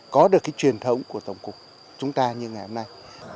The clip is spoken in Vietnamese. có được cái truyền thống của tổng cục chúng ta như ngày hôm nay